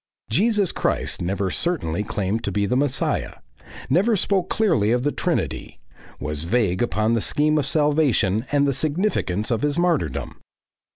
Jesus Christ never certainly claimed to be the Messiah; never spoke clearly of the Trinity; was vague upon the scheme of salvation and the significance of his martyrdom.